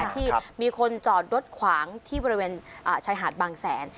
ที่มีคนจอดรถขวางที่บริเวณชายหาดบางแสน